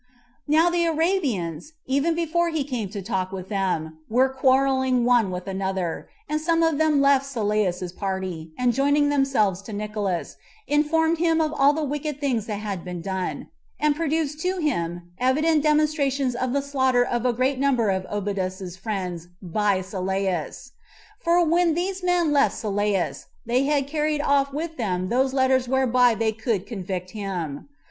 Now the Arabians, even before he came to talk with them, were quarrelling one with another; and some of them left Sylleus's party, and joining themselves to Nicolaus, informed him of all the wicked things that had been done; and produced to him evident demonstrations of the slaughter of a great number of Obodas's friends by Sylleus; for when these men left Sylleus, they had carried off with them those letters whereby they could convict him.